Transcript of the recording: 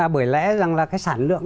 bởi lẽ rằng là cái sản lượng